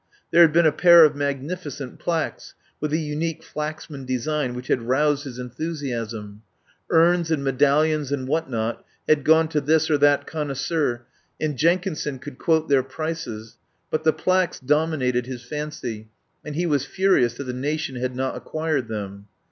There had been a pair of magnifi cent plaques, with a unique Flaxman design, which had roused his enthusiasm. Urns and medallions and what not had gone to this or that connoisseur, and Jenkinson could quote their prices, but the plaques dominated his fancy, and he was furious that the nation had not acquired them.